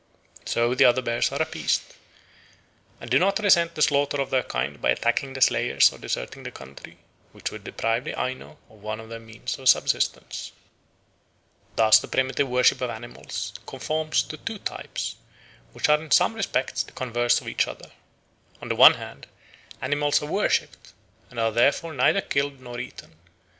So the other bears are appeased, and do not resent the slaughter of their kind by attacking the slayers or deserting the country, which would deprive the Aino of one of their means of subsistence. Thus the primitive worship of animals conforms to two types, which are in some respects the converse of each other. On the one hand, animals are worshipped, and are therefore neither killed nor eaten.